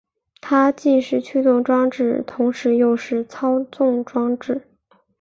它既是驱动装置同时又是操纵装置。